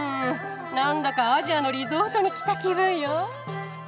なんだかアジアのリゾートに来た気分よ。